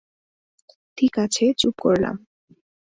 ঠিক আছে, চুপ করলাম।